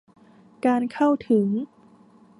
การเข้าถึง